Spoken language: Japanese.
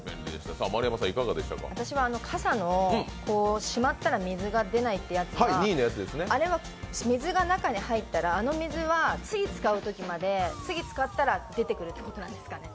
私は傘のしまったら水が出ないってやつが、あれは水が中に入ったらあの水は次使ったら、出てくるってことですかね？